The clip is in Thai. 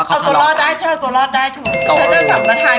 เทย์สไฟเชิญกันไหม